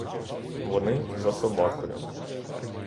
Вони — за собакою.